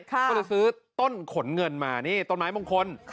ก็เลยซื้อต้นขนเงินมานี่ต้นไม้มงคล